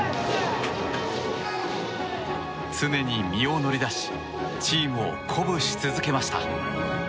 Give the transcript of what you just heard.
常に身を乗り出しチームを鼓舞し続けました。